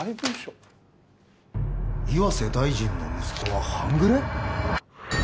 「岩瀬大臣の息子は半グレ」！？